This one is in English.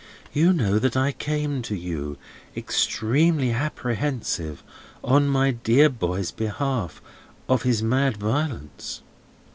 You know that I came to you, extremely apprehensive, on my dear boy's behalf, of his mad violence.